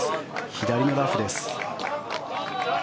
左のラフです。